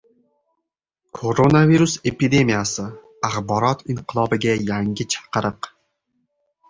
Koronavirus epidemiyasi – «axborot inqilobi»ga yangi chaqiriq